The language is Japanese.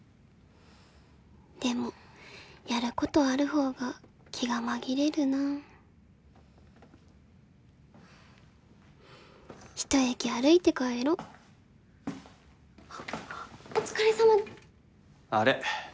でもやることある方が気が紛れるなあ一駅歩いて帰ろお疲れさまあれ？